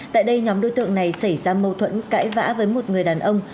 tại đây nhóm đối tượng này xảy ra mâu thuẫn cãi vã với một người đàn ông